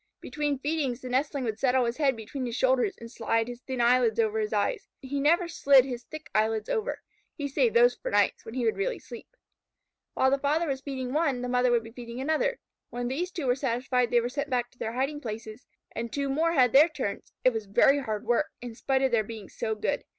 Between feedings the nestling would settle his head between his shoulders, and slide his thin eyelids over his eyes. He never slid his thick eyelids over. He saved those for night, when he would really sleep. While the father was feeding one, the mother would be feeding another. When these two were satisfied they were sent back to their hiding places and two more had their turns. It was very hard work, in spite of their being so good.